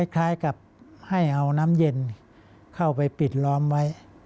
คล้ายกับให้เอาน้ำเย็นเข้าไปปิดล้อมไว้